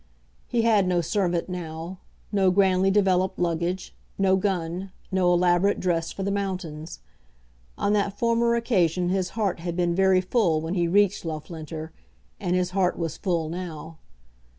He had no servant now, no grandly developed luggage, no gun, no elaborate dress for the mountains. On that former occasion his heart had been very full when he reached Loughlinter, and his heart was full now.